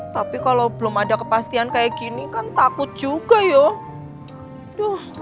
tapi kalau belum ada kepastian kayak gini kan takut juga ya